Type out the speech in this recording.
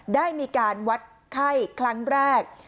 ได้มีการวัดไข้ครั้งแรก